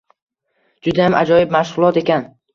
Judayam ajoyib mashg‘ulot ekan.